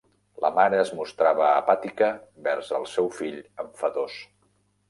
La mare es mostrava apàtica vers el seu fill enfadós.